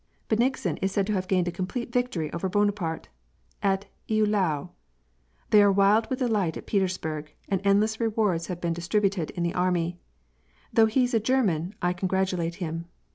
Beiiigsen is said to have gained a complete victx>ry over Buona parte at Eylau. They are wild with delight at Petersburg, and endless rewards have been distributed in the army. Though he's a German, I congratulate him.